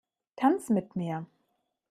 Tanz mit mir!